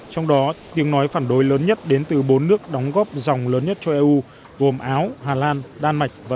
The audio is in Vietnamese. trong đó tiếng nói phản đối lãnh đạo